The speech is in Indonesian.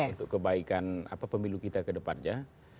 untuk kebaikan pemilu kita kedepannya